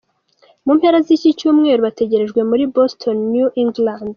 Mu mpera z’iki cyumweru bategerejwe muri Boston New England.